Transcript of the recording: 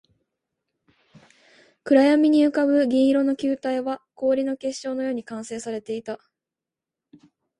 暗闇に浮ぶ銀色の球体は、氷の結晶のように完成されていた